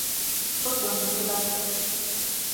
Zorte on, zozketan!